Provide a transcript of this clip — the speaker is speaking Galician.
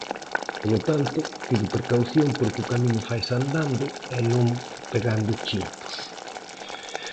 Polo tanto, pido precaución porque o camiño faise andando e non pegando chimpos.